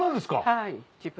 はい。